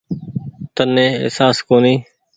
تني اهساس ڪونيٚ ۔